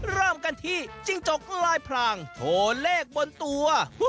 เริ่มกันที่จิ้งจกลายพรางโทรเลขบนตัว